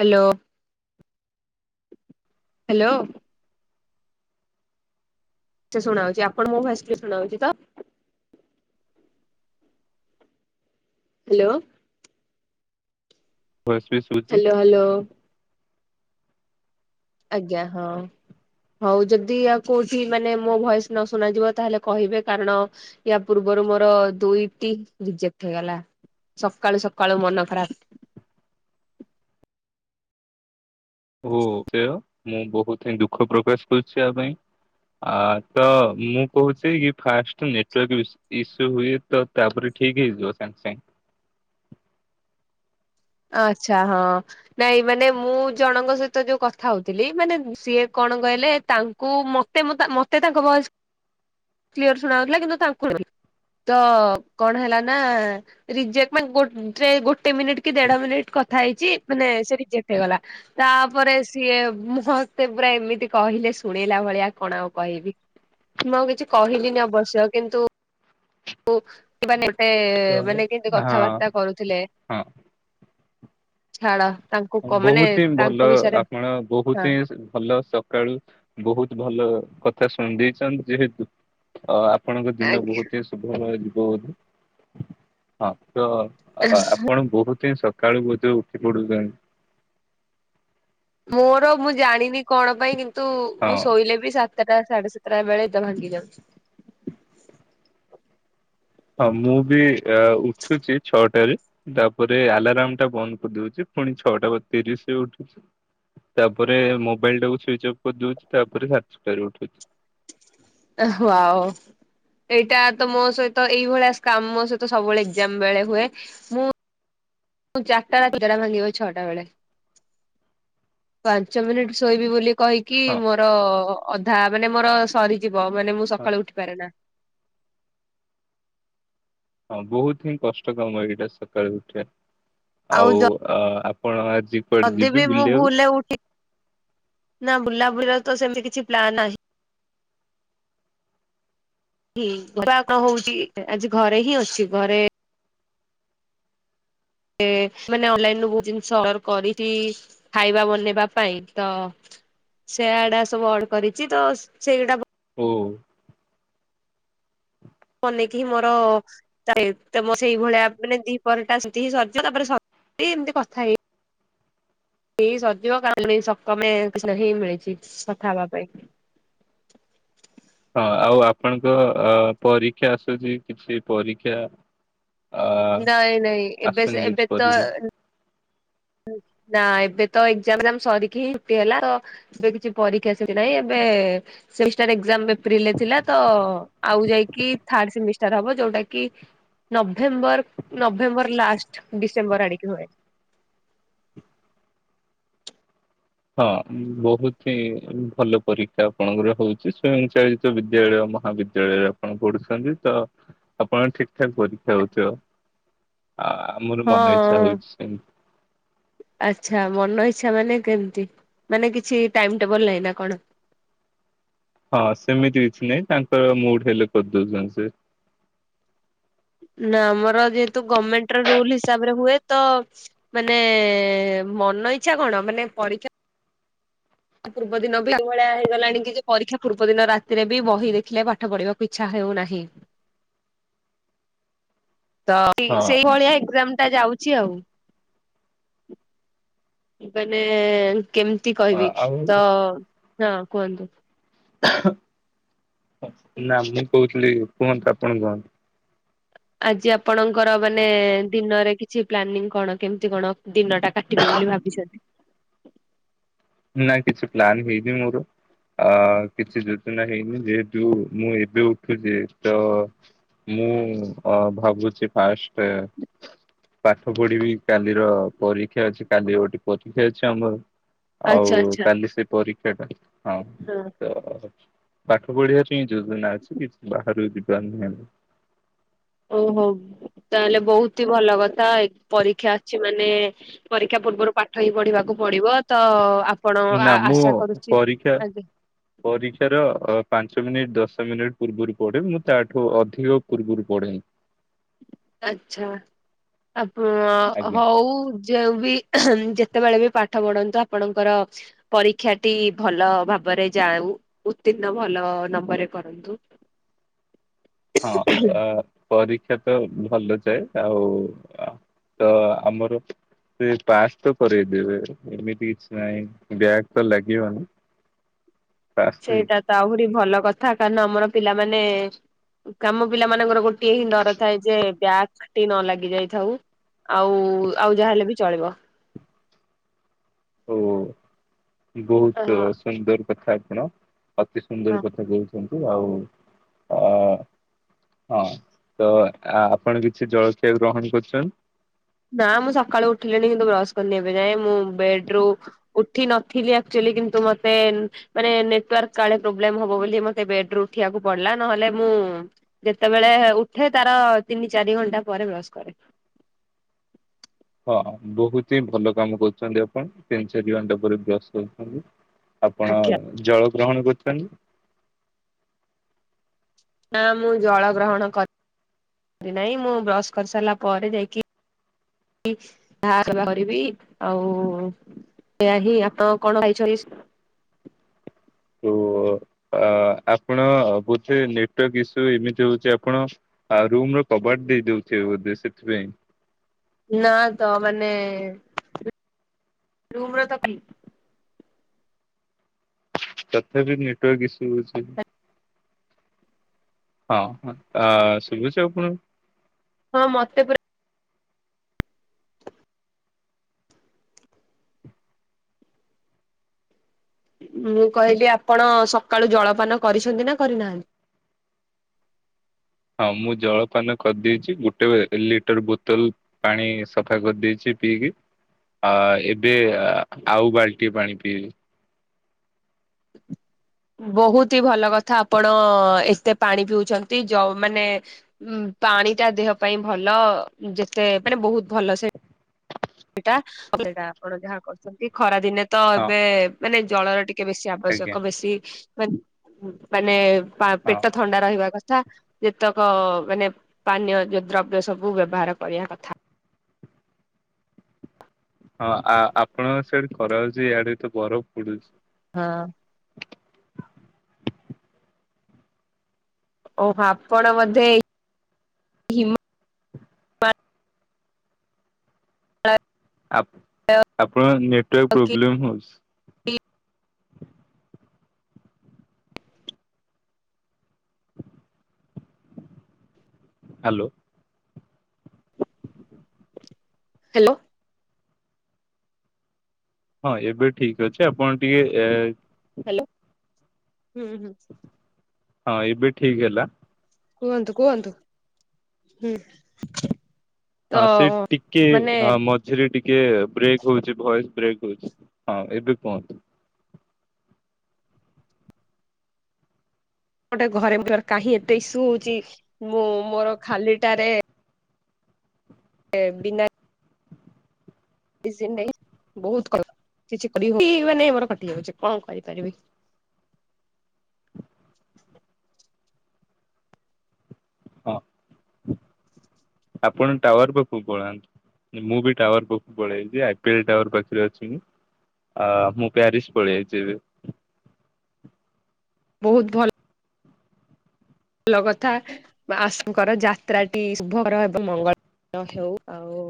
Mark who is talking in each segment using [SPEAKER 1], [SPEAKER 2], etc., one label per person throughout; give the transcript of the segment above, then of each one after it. [SPEAKER 1] Hello. Hello. ସେ ଶୁଣା ହଉଛି ଆପଣ ମୋ ଭଏସ କ୍ଲିୟର ଶୁଣା ହଉଛି ତ। ହାଲୋ।
[SPEAKER 2] ଭଏସ ବି ଶୁଭୁଚି।
[SPEAKER 1] ହ୍ୟାଲୋ ଆଜ୍ଞା ହଁ। ହଉ ଯଦି ଆଉ କୋଉଠି ମାନେ ମୋ ଭଏସ ନ ଶୁଣ ଯିବ ତାହେଲେ କହିବେ କାରଣ ୟା ପୂର୍ବ ମୋର ଦୁଇଟି ରଜେକ୍ଟ ହେଇଗଲା। ସକାଳୁ ସକାଳୁ ମନ ଖରାପ।
[SPEAKER 2] [inaudible] ହ ସେ ମୁଁ ବହୁତ ହିଁ ଦୁଃଖ ପ୍ରକାଶ କରୁଛି ଆ ପାଇଁ। ଆ ତ ମୁଁ କହୁଛି କି ଫାଷ୍ଟ ନେଟୱାର୍କ ଇସ୍ୟୁ ହୁଏ ତ ତାପରେ ଠିକ ହେଇ ଯିବ ସାଙ୍ଗ ସାଙ୍ଗ।
[SPEAKER 1] ଆଚ୍ଛା ହଁ ନାଇଁ ମାନେ ମୁଁ ଜଣଙ୍କ ସହିତ ଯୋଉ କଥା ହଉଥିଲି ମାନେ ସିଏ କ କଣ କହିଲେ ତାଙ୍କୁ ମତେ ମ-ମତେ ତାଙ୍କ ଭଏସ କ୍ଲିୟର ଶୁଣାଉଥିଲା କିନ୍ତୁ ତାଙ୍କୁ [inaudible] ତ କଣ ହେଲା ନା ରିଜେକ୍ଟ ମ ଗୋଟେ ଗୋଟେ ମିନିଟ କି ଦେଢ ମିନିଟ କଥା ହେଇଛି ମାନେ ସେ ରିଜେଟ୍ ହେଇଗଲା, ତାପରେ ସିଏ ମେ ଏମିତି କହିଲେ ଶୁଣେଇଲା ଭଳିଆ କଣ ଆଉ କହିବି। ମୁଁ ଆଉ କିଛି କହିଲିନି ଅବଶ୍ୟ କିନ୍ତୁ ଉ [inaudible] ତ
[SPEAKER 2] ତ
[SPEAKER 1] ମାନେ କେମତି
[SPEAKER 2] ହଁ
[SPEAKER 1] କଥାବାର୍ତ୍ତା କରୁଥିଲେ,
[SPEAKER 2] ହଁ
[SPEAKER 1] ଛାଡ। ତାଙ୍କୁ କ ମାନେ
[SPEAKER 2] ବହୁତ ହିଁ
[SPEAKER 1] ତାଙ୍କ
[SPEAKER 2] ଭଲ
[SPEAKER 1] ବିଷୟରେ
[SPEAKER 2] ଆପଣ
[SPEAKER 1] ହଁ
[SPEAKER 2] ବହୁତ ହିଁ ଭଲ ସକାଳୁ ବହୁତ ଭଲ କ କଥା ଶୁଣି ଦେଇଛନ୍ତି ଯେହେତୁ ଅ ଆପଣଙ୍କ ଦିନ
[SPEAKER 1] ଆଜ୍ଞା
[SPEAKER 2] ବହୁତ ହିଁ ଶୁଭ ମୟ ଯି ବହତ ହଁ ତ ଆପଣ ବହୁତ ହିଁ ସ କାଳୁ ବଜ ଉଠି ପଡୁଛନ୍ତି?
[SPEAKER 1] ମୋର ମୁଁ ଜାଣିନି କଣ ପାଇଁ କିନ୍ତୁ
[SPEAKER 2] ହଁ
[SPEAKER 1] ମୁଁ ଶୋଇଲେ ବି ସା ସାତଟା ସାଢେ ସାତଟା ବେଳେ ନିଦ ଭାଙ୍ଗି ଯାଉଛି।
[SPEAKER 2] ହଁ ମୁଁ ବି ଉଠୁଛି ଛଅଟାରେ, ତାପରେ ଆଲାରମ ଟା ବନ୍ଦ କରିଦଉଛି। ପୁଣି ଛଅଟା ବା ତିରିଶ ଉଠୁଛି। ତାପରେ ମୋବାଇଲ ଟାକୁ ସୁଇଚ ଅଫ କରିଦଉଛି, ତାପରେ ସାଡ୍ ଛଟା ରେ ଉଠୁଛି।
[SPEAKER 1] ଓହ ୱାଓ। ଏଇଟା ତ ମୋ ସହିତ ଏଇଭଳିଆ ସ୍କ୍ୟାମ୍ ମୋ ସହିତ ସବୁବେଳେ ଏକ୍ସାମ ବେଳେ ହୁଏ, ମୁଁ ମୁଁ ଚାରଟା ରାତି ନିଦ ଟା ଭାଙ୍ଗିିବ ଛଟା ବେଳେ। ପାଞ୍ଚ ମିନିଟ ସୋଇବି ବୋଲି କହିକି
[SPEAKER 2] ହଁ
[SPEAKER 1] ମୋର ଅଧା ମାନେ ମୋର ସରିଯିବ ମାନେ ମୁଁ
[SPEAKER 2] ହଁ।
[SPEAKER 1] ସକାଳେୁ ଉଠିପାରେ ନା।
[SPEAKER 2] ହଁ ବହୁତ ହିଁ କଷ୍ଟ କାମ ଏଇଟା ସକାଳୁ ଉଠିବା ଆଉ ଆ
[SPEAKER 1] ଯଦିିବି ମୁଁ ଭୁଲରେ ଉଠି ନା ବୁଲାବୁଲିର ତ ସେମିତି କିଛି ପ୍ଲାନ୍ ନାହିଁ। ହଁ ଦେଖିବା କଣ ହଉଛି ଆଜି ଘରେ ହିଁ ଅଛି ଘରେ ମାନେ ଅନଲାଇରୁ ବହୁତ ଜିନିଷ ଅର୍ଡର କରିଛି ଖାଇବା ବନେଇବା ପାଇଁ ତ ସେଆଡା ସବୁ ଅଡ କରିଛି ତ ସେଇଗୁଟା ଭ
[SPEAKER 2] ଓହ।
[SPEAKER 1] ବନେଇକି ହିଁ ମୋର ସେଇଭଳିଆ ମାନେ ଦିପହରଟା ସେ ହିଁ ସରିଯିବ ତାପରେ ସ ଏ ଏମିତି କଥା ହେଇ
[SPEAKER 2] [inaudible]
[SPEAKER 1] ହେଇ ସରଜିବ [inaudible] ସକମେ ହେଇ ମିଳିଛି କଥା ହବା ପାଇଁ।
[SPEAKER 2] [inaudible] ଆଉ ଆପଣଙ୍କ ଅ ପରୀକ୍ଷା ଆସୁଛି କିଛି ପରୀକ୍ଷା? ଅ
[SPEAKER 1] ନାଇଁ ନାଇଁ ଏବେ
[SPEAKER 2] ଆସୁନି
[SPEAKER 1] ଏବେ
[SPEAKER 2] କିଛି
[SPEAKER 1] ତ
[SPEAKER 2] ପରୀକ୍ଷା?
[SPEAKER 1] ନା ଏବେ ତ ଏକ୍ସାମ ସରିକି ହିଁ ଛୁଟି ହେଲା ତ ଏବେ କିଛି ପରୀକ୍ଷା ସେମତି ନାହିଁ ଏବେ ଏ ସେମିଷ୍ଟାର ଏକ୍ସାମ୍ ଏପ୍ରିଲ୍ ରେ ଥିଲା ତ ଆଉ ଯାଇକି ଥାଡ ସେମିଷ୍ଟାର ହବ ଯୋଉଟା କି ନଭେମ୍ବର ନଭେମ୍ବର ଲାଷ୍ଟ ଡିସେମ୍ବର ଆଡିକି ହୁଏ।
[SPEAKER 2] ହଁ ବହୁତ ହିଁ ଭଲ ପରୀକ୍ଷା ଆପଣଙ୍କର ହଉଛି, ସ୍ୱୟଂ ଚାଳିତ ବିଦ୍ୟାଳୟ ମହାବିଦ୍ୟାଳୟରେ ଆପଣ ପଢୁଛନ୍ତି ତ ଆପଣ ଠିକ ଠାକ ପରୀକ୍ଷା ହଉଥିବ। [inaudible] ଆମର
[SPEAKER 1] ହଁ
[SPEAKER 2] ମନ ଇଚ୍ଛା ହଉଛି ସେମିତି।
[SPEAKER 1] ଆଛା ମନଇ ଆଛା ମାନେ କେମିତି ମାନେ କିଛି ଟାଇମ ଟେବଲ ନାହିଁ ନା କଣ?
[SPEAKER 2] ହଁ ସେମିତି କିଛି ନାହିଁ ତାଙ୍କର ମୁଡ ହେଲେ କରିଦଉଛନ୍ତି ସେ।
[SPEAKER 1] ନା ଆମର ଯେହେତୁ ଗଭର୍ଣମେଣ୍ଟ ର ରୁଲ ହିସାବରେ ହୁଏ ତ ମାନେ ମନ ଇଚ୍ଛା କଣ ମାନେ ପରୀକ୍ଷା ପୂର୍ବ ଦିନ ବି ଭଳିଆ ହେଇଗଲାଣି କି ଯେ ପରୀକ୍ଷା ପୂର୍ବ ଦିନ ରାତିରେ ବି ବହି ଦେଖିଲେ ପାଠ ପଢିବାକୁ ଇଛା ହେ ହେଉନାହିଁ।
[SPEAKER 2] [inaudible]
[SPEAKER 1] ତ
[SPEAKER 2] ହଁ।
[SPEAKER 1] ସେଇଭଳିଆ ଏଜାମ ଟା ଯାଉଛି ଆଉ। ମାନେ କେମିତି କହିବି
[SPEAKER 2] ଆ- ଆଉ
[SPEAKER 1] ତ ହଁ କୁହନ୍ତୁ।
[SPEAKER 2] ନା ମୁଁ କହୁଥିଲି କୁହନ୍ତୁ ଆପଣ କୁହନ୍ତୁ।
[SPEAKER 1] ଆଜି ଆପଣଙ୍କର ମାନେ ଦିନରେ କିଛି ପ୍ଲାନିଂ କଣ କେମିତି କଣ? ଦିନ ଟା କାଟିବେ ବୋଲି ଭାବିଛନ୍ତି।
[SPEAKER 2] ନା କିଛି ପ୍ଲାନ୍ ହେଇନି ମୋର। ଆ କିଛି ଯୋଜନା ହେଇନି ଯେହେତୁ ମୁଁ ଏବେ ଉଠୁଛି ତ ମୁଁ ଅ ଭାବୁଛି ଫାର୍ଷ୍ଟ ପାଠ ପଢିବି କାଲିର ପରୀକ୍ଷା ଅଛି କାଲି ଗୋଟେ ପରୀକ୍ଷା ଅଛି ଆମର। ଆଉ
[SPEAKER 1] ଆଚ୍ଛା ଆଚ୍ଛା
[SPEAKER 2] କାଲି ସେ ପରୀକ୍ଷା ଟା
[SPEAKER 1] ହଁ।
[SPEAKER 2] ପାଠ ପଢିବା ପାଇଁ ଯୋଜନା ଅଛି କିଛି ବାହାରୁକୁ ଯିବାର ନାହଁ।
[SPEAKER 1] ଓହୋ। ତାହେଲେ ବହୁତ ହି ଭଲ କଥା ପରୀକ୍ଷା ଅଛି ମାନେ ପରୀକ୍ଷା ପୂର୍ବରୁ ପାଠ ହି ପଢିବାକୁ ପଡିବ ତ ଆ
[SPEAKER 2] ନା ମୁଁ ପରୀକ୍ଷା ପରୀକ୍ଷାର ପାଞ୍ଚ ମିନିଟ୍ ଦଶ ମିନିଟ୍ ପୂର୍ବରୁ ପଢେ ମୁଁ ତାଠୁ ଅଧିକ ପୂର୍ବରୁ ପଢେନି।
[SPEAKER 1] ଆଚ୍ଛା ଆପ
[SPEAKER 2] ଆଜ୍ଞା
[SPEAKER 1] ହଉ ଯଉ ବି ଯେତେବେଳେ ବି ପାଠ ପଢନ୍ତୁ ଆପଣଙ୍କର ପରୀକ୍ଷା ଟି ଭଲ ଭାବରେ ଯାଉ। ଉତୀର୍ଣ୍ଣ ଭଲ ନମ୍ବରରେ କରନ୍ତୁ।
[SPEAKER 2] ହଁ ପରୀକ୍ଷା ତ ଭଲ ଯାଏ ଆଉ ତ ଆମର ସେ ପାସ୍ ତ କରେଇଦେବେ ଏମିତି କିଛି ନାହିଁ ବ୍ୟାକ ତ ଲାଗିବନି। ପାସ୍
[SPEAKER 1] ସେଇଟା
[SPEAKER 2] ହେଇଛି
[SPEAKER 1] ତ ଆହୁରି ଭଲ କଥା କାରଣ ଆମର ପିଲାମାନେ କାମ ପିଲା ମାନଙ୍କର ଗୋଟିଏ ହିଁ ଡର ଥାଏ ଯେ ବ୍ୟାକ ଟି ନ ଲାଗି ଯାଇଥାଉ। ଆଉ ଆଉ ଯାହା ହେଲେ ବି ଚଳିବ।
[SPEAKER 2] ଓ
[SPEAKER 1] ଅ
[SPEAKER 2] ବହୁତ ସୁନ୍ଦର କଥା ଆପଣ ଅତି ସୁନ୍ଦରୀ କଥା କହୁଛନ୍ତି ଆଉ ଅ ହଁ ତ ଆପଣ କିଛି ଜଳଖିଆ ଗ୍ରହଣ କରୁଛନ୍ତୀ।
[SPEAKER 1] କରନି ଏବେ ଯାଏଁ ମୁଁ ବେଡ୍ ରୁ ଉଠି ନଥିଲି ଆକଚୁଲି କିନ୍ତୁ ମତେ ମାନେ ନେଟୱାର୍କ କ କାଳେ ପ୍ରୋବ୍ଲେମ ହବ ବୋଲି ମତେ ବେଡ୍ ରୁ ଉଠିଆକୁ ପଡ଼ିଲା ନହଲେ ମୁଁ ଯେତେବେଳେ ଉଠେ ତାର ତିନି ଚାରି ଘଣ୍ଟା ପରେ ବ୍ରସ୍ କରେ।
[SPEAKER 2] ହଁ ବହୁତ ହିଁ ଭଲ କାମ କରୁଛନ୍ତି ଆପଣ ତିନି ଚାରି ଘଣ୍ଟା ପରେ ବ୍ରଶ କରୁଛନ୍ତି। ଆପଣ
[SPEAKER 1] ଆଜ୍ଞା।
[SPEAKER 2] ଜଳ ଗ୍ରହଣ କରୁଛନ୍ତି।
[SPEAKER 1] ନା ମୁଁ ଜଳ ଗ୍ରହଣ କରେ ରେ ନାଇଁ ମୁଁ ବ୍ରସ୍ କରିସାରିଲା ପରେ ଯାଇକି ଯାହା [unintelligible] କରିବି ଆଉ ଏଆ ହିଁ ଆପଣ କଣ ଖାଇଛନ୍ତି?
[SPEAKER 2] ତ ଆ ଆପଣ ବୋଧେ ନେଟୱାର୍କ ଇସୁ ଏମିତି ହଉଛି ଆପଣ ଆ ରୁମ ର କବାଟ ଦେଇ ଦେଇଥୁବେ ବୋଧେ ସେଥି ପାଇଁ
[SPEAKER 1] ନା ତ ମାନେ ରୁମର ତ ଠିକ୍
[SPEAKER 2] ତଥାପି ନେଟୱାର୍କ ଇସୁ ହଉଛି। ହଁ ଆ ଶୁଭୁଛି ଆପଣ ଙ୍କୁ?
[SPEAKER 1] ହଁ ମତେ ପୁରା ମୁଁ କହିଲି ଆପଣ ସକାଳୁ ଜଳପାନ କରିଛନ୍ତି ନା କରିନାହାନ୍ତି?
[SPEAKER 2] ହଁ ମୁଁ ଜଳପାନ କରିଦେଇଛି। ଗୁଟେ ଲିଟର ବୋତଲ ପାଣି ସଫା କରିଦେଇଛି। ପିଇକି ଆ ଏବେ ଆ ଆଉ ବାଲ୍ଟିଏ ପାଣି ପିଇବି।
[SPEAKER 1] ବହୁତି ଭଲ କଥା ଆପଣ ଏତେ ପାଣି ପିଉଛନ୍ତି ଯ‌ଉ ମାନେ ଉ ପାଣି ଟା ଦେହ ପାଇଁ ଭଲ। ଯେତେ ମାନେ ବହୁତ୍ ଭଲ ସେ ଏଟା [unintelligible] ଆପଣ ଯାହା କରୁଛନ୍ତି ଖରା ଦିନେ ତ
[SPEAKER 2] ହଁ
[SPEAKER 1] ଏବେ ମାନେ ଜଳର ଟିକ୍ କେ ବେଶୀ
[SPEAKER 2] ଆଜ୍ଞା
[SPEAKER 1] ଆବଶ୍ୟକ ବେଶୀ ମାନ୍ ମାନେ ପା
[SPEAKER 2] ହଁ
[SPEAKER 1] ପେଟ ଥଣ୍ଡା ରହିବା କ ଥା ଯେତକ ମାନେ ପାନୀୟ ଯ ଦ୍ରବ୍ୟ ସବୁ ବ୍ୟବହାର କରିବା କଥା।
[SPEAKER 2] ହଁ ଆ ଆପଣଙ୍କ ସିଆଡେ ଖରା ହଉଛି? ୟାଡେ ତ ବରଫ ପଡୁଛି।
[SPEAKER 1] ହଁ। ଓ ଆପଣ ବଧେ ହିମ ମା
[SPEAKER 2] ଆପ୍ ଆପଣ ନେଟୱାର୍କ
[SPEAKER 1] କି
[SPEAKER 2] ପ୍ରୋବ୍ଲେମ୍ ହଉଛି। ହାଲୋ।
[SPEAKER 1] ହେଲୋ।
[SPEAKER 2] ହଁ ଏବେ ଠିକ୍ ଅଛି ଆପଣ ଟିକେ ଏ
[SPEAKER 1] ହେଲୋ ହୁଁ ହୁଁ।
[SPEAKER 2] ହଁ ଏବେ ଠିକ୍ ହେଲା।
[SPEAKER 1] କୁହନ୍ତୁ କୁହନ୍ତୁ ହୁଁ। ତ
[SPEAKER 2] ହଁ ସେ ଟିକେ
[SPEAKER 1] ମାନେ
[SPEAKER 2] ଅ ମଝିରେଟି କିଏ ବ୍ରେକ୍ ହଉଛି। ଭଏସ୍ ବ୍ରେକ୍ ହଉଛି ହଁ ଏବେ କୁହନ୍ତୁ।
[SPEAKER 1] ଗୋଟେ ଘରେ [unintelligible] କାହିଁ ଏତେ ଇଶୁ ହୋଉଛି ମୁଁ ମୋର ଖାଲିଟାରେ ଏ ବିନା ସିନରେ ବହୁତ୍ କ କିଛି କହିହୋଉନି। ମାନେ ମୋର କଟିଯାଉଛି କଣ କରିପାରିବି?
[SPEAKER 2] ହଁ ଆପଣ ଟାୱାର ପାଖକୁ ପଳାନ୍ତୁ। ମୁଁ ବି ଟାୱାର ପାଖୁ ପଳେଇବି। ଆଇ ପି ଏଲ ଟାୱାର ପାଖରେ ଅଛି ମୁଁ। ଆ ମୁଁ ପ୍ୟାରିସ ପାଲେଇଆସିଚି ଏବେ।
[SPEAKER 1] ବହୁତ୍ ଭଲ୍। ଲ କଥା ମାସଙ୍କର ଯାତ୍ରାଟି ଶୁଭକର ଏବଂ ମଙ୍ଗଳ ହେଉ ଆଉ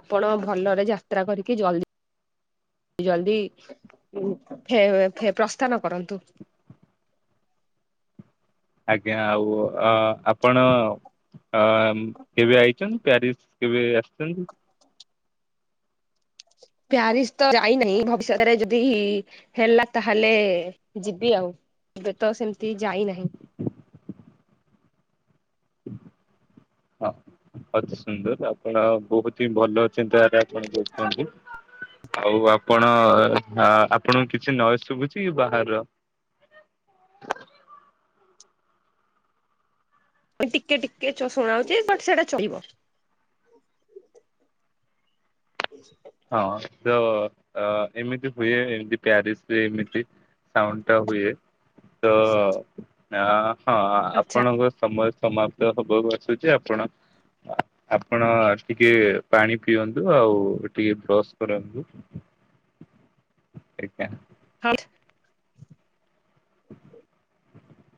[SPEAKER 1] ଆପଣ ଭଲରେ ଯାତ୍ରା କରିକି ଜଲଦି ଜଲଦି ଫେ ଫେ ପ୍ରସ୍ଥାନ କରନ୍ତୁ।
[SPEAKER 2] ଆଜ୍ଞା ଆଉ ଅ ଆପଣ ଅମ୍ କେବେ ଆଇଚନ୍ ପ୍ୟାରିସ‌୍? କେବେ ଆସିଛନ୍ତି?
[SPEAKER 1] ପ୍ୟାରିସ୍ ତ ଯାଇନି ଭବିଷ୍ୟତରେ ଯଦି ହି ହେଲା ତାହେଲେ ଯିବି ଆଉ। ଏବେ ତ ସେମିତି ଯାଇନାହିଁ।
[SPEAKER 2] ହଁ। ଅତି ସୁନ୍ଦର ଆପଣ ବହୁତହିଁ ଭଲ ଚିନ୍ତାଧାରା ଆପଣ [unintelligible] ଛନ୍ତି। ଆଉ ଆପଣ ଏ ଆ ଆପଣଙ୍କୁ କିଛି ନଏସ୍ ଶୁଭୁଛି ବାହାର?
[SPEAKER 1] ଟିକେ ଟିକେ ଚ ଶୁଣାହୋଉଛି ବଟ୍ ସେଟା ଚଳିବ।
[SPEAKER 2] ହଁ ତ ଅ ଏମିତି ହୁଏ ଏମିତି ପ୍ୟାରିସ୍ ରେ ଏମତି ସାଉଣ୍ଡ ଟା ହୁଏ ତ ଆ ହଁ
[SPEAKER 1] ଆଚ୍ଛା।
[SPEAKER 2] ଆପଣଙ୍କ ସମସ୍ ସମାପ୍ତ ହବାକୁ ଆସୁଛି ଆପଣ ଆପଣ ଟିକେ ପାଣି ପିଅନ୍ତୁ ଆଉ ଟିକେ ବ୍ରସ୍ କରନ୍ତୁ ଏଜ୍ଞା।
[SPEAKER 1] [unintelligible]